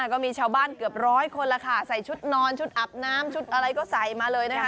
ก็มีชาวบ้านเกือบร้อยคนแล้วค่ะใส่ชุดนอนชุดอาบน้ำชุดอะไรก็ใส่มาเลยนะคะ